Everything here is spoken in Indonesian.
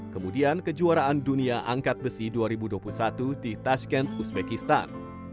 kemudian kejuaraan dunia angkat besi dua ribu dua puluh satu di tashkent uzbekistan